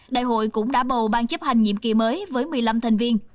đại hội cũng đã bầu ban chấp hành nhiệm kỳ mới với một mươi năm thành viên